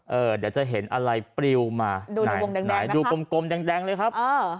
เดี๋ยวจะเห็นอะไรปริวมาดูไหนดูกลมแดงเลยครับ